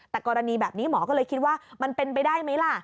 แต่กรณีแบบนี้หมอก็เลยคิดว่ามันเป็นไปได้ไหมล่ะ